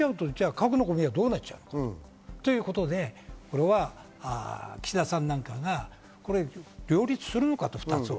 核のごみはどうなっちゃうかということで、岸田さんなんかが二つは両立するのかと。